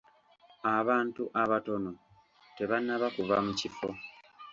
Abantu abatono tebannaba kuva mu kifo.